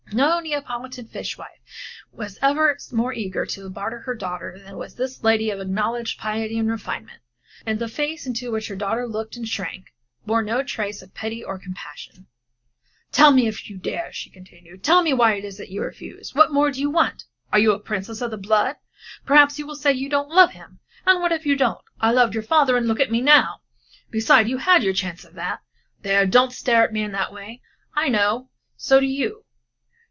No Neapolitan fish wife was ever more eager to barter her daughter than was this lady of acknowledged piety and refinement, and the face into which her daughter looked and shrank from bore no trace of pity or compassion. "Tell me if you dare," she continued, "tell me why it is that you refuse? What more do you want? Are you a princess of the blood? Perhaps you will say you don't love him! And what if you don't? I loved your father and look at me now! Beside, you have had enough of that there, don't stare at me in that way. I know, and so do you.